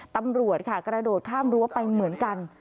ตำรวจค่ะกระโดดข้ามรั้วไปเหมือนกัน